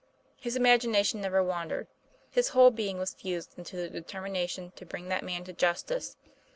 His imagination never wandered; his whole being was fused into the determination to bring that man to justice.